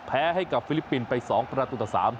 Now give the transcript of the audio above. แพ้ให้กับฟิลิปปินไปสองประตูต่อสาม